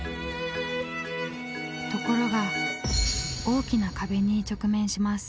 ところが大きな壁に直面します。